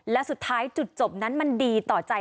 และสุดท้ายจุดจบนั้นมันดีต่อใจ